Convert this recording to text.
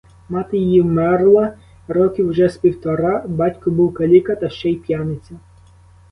Мати її вмерла років уже з півтора, батько був каліка, та ще й п'яниця.